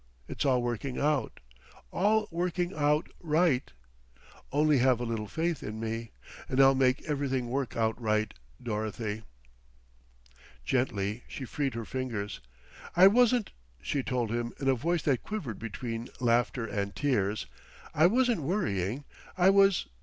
It's all working out all working out right. Only have a little faith in me, and I'll make everything work out right, Dorothy." Gently she freed her fingers. "I wasn't," she told him in a voice that quivered between laughter and tears, "I wasn't worrying. I was